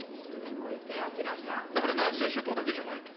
だから南西諸島だけじゃないと。